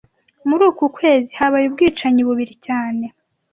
Muri uku kwezi habaye ubwicanyi bubiri cyane